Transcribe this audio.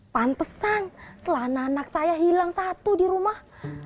pantesan celana anak saya hilang satu di rumah